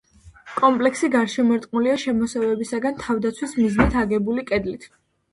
კომპლექსი გარშემორტყმულია შემოსევებისაგან თავდაცვის მიზნით აგებული კედლით.